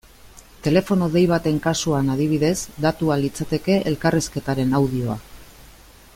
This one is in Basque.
Telefono dei baten kasuan, adibidez, datua litzateke elkarrizketaren audioa.